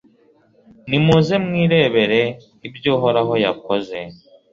Nimuze mwirebere ibyo Uhoraho yakoze